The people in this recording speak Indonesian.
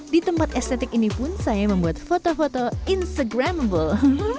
di tempat estetik ini pun saya membuat foto foto instagramable